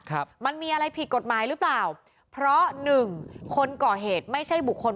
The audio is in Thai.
ครับมันมีอะไรผิดกฎหมายหรือเปล่าเพราะหนึ่งคนก่อเหตุไม่ใช่บุคคล